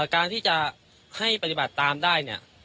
การที่จะให้ปฏิบัติตามได้เนี่ย